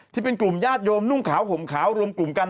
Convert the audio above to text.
ที่เป็นกลุ่มญาติโยมนุ่งขาวห่มขาวรวมกลุ่มกัน